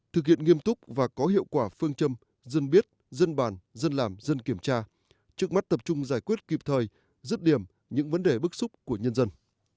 thực hiện nghiêm túc và có hiệu quả phương châm dân biết dân bàn dân làm dân kiểm tra trước mắt tập trung giải quyết kịp thời rứt điểm những vấn đề bức xúc của nhân dân